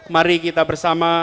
mari kita bersama